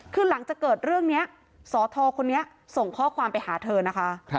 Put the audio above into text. คือหลังจากเกิดเรื่องนี้สอทคนนี้ส่งข้อความไปหาเธอนะคะ